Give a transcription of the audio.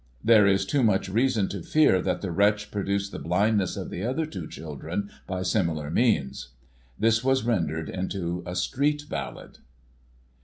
There is too much reason to fear that the wretch produced the blind ness of the other two children, by similar means." This was rendered into a street ballad.